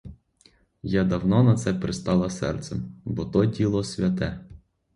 Я давно на це пристала серцем, бо то діло святе.